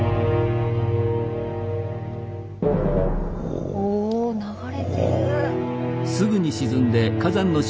おお。お流れてる。